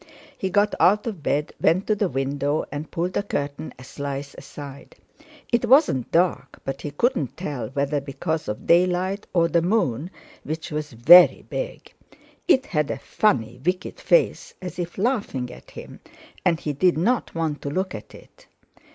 He got out of bed, went to the window and pulled the curtain a slice aside. It wasn't dark, but he couldn't tell whether because of daylight or the moon, which was very big. It had a funny, wicked face, as if laughing at him, and he did not want to look at it.